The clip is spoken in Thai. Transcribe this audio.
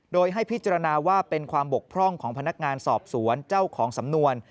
โดยให้พิจารณาว่าเป็นความบกพร่องของพนักงานสอบสวนเจ้าของสำนวน